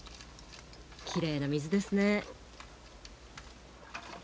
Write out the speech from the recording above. きれいな水ですね。